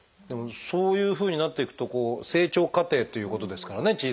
でもそういうふうになっていくとこう成長過程っていうことですからね